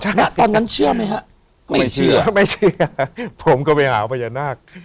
ณตอนนั้นเชื่อไหมฮะไม่เชื่อไม่เชื่อผมก็ไปหาพญานาค